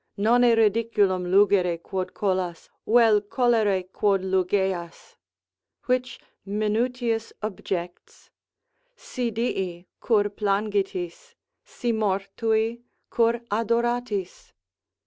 Nonne ridiculum lugere quod colas, vel colere quod lugeas? (which Minutius objects) Si dii, cur plangitis? si mortui, cur adoratis?